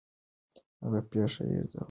هغه پېښه یې ځوراوه.